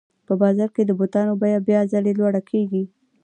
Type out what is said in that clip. په بازار کې د بوټانو بیه بیا ځلي لوړه کېږي